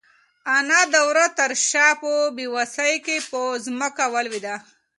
انا د وره تر شا په بېوسۍ کې په ځمکه ولوېده.